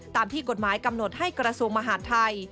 ตามที่กฎหมายกำหนดให้กระทรวงมหาดไทย